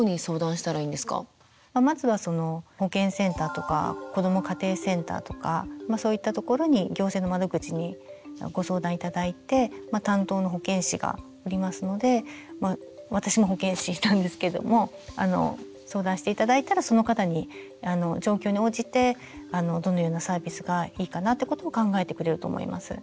まずはその保健センターとかこども家庭センターとかそういったところに行政の窓口にご相談頂いて担当の保健師がおりますので私も保健師したんですけども相談して頂いたらその方に状況に応じてどのようなサービスがいいかなってことを考えてくれると思います。